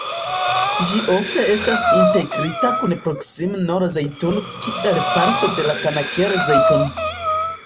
Ĝi ofte estas integrita kun proksima Nor-Zejtun kiel parto de Kanaker-Zejtun.